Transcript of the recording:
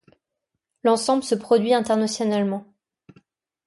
L'ensemble se produit internationalement.